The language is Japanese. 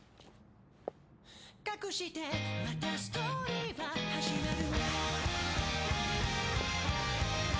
「かくしてまたストーリーは始まる」